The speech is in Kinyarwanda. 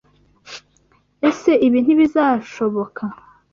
ese Ibi ntibizashoboka.